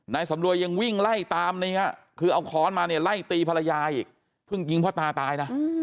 สำรวยยังวิ่งไล่ตามคือเอาค้อนมาเนี่ยไล่ตีภรรยาอีกเพิ่งยิงพ่อตาตายนะ